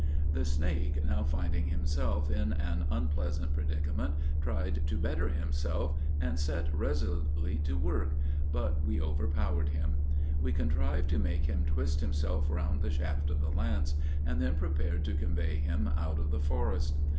The snake now finding himself in an unpleasant predicament, tried to better himself, and set resolutely to work, but we overpowered him. We contrived to make him twist himself round the shaft of the lance, and then prepared to convey him out of the forest.